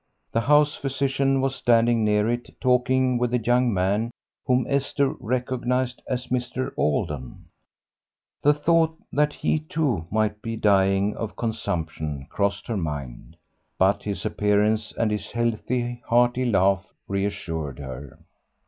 The house physician was standing near it talking with a young man whom Esther recognised as Mr. Alden. The thought that he, too, might be dying of consumption crossed her mind, but his appearance and his healthy, hearty laugh reassured her.